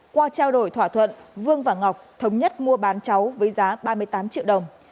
qua trao đổi thỏa thuận vương và ngọc thống nhất mua bán cháu với giá ba mươi tám triệu đồng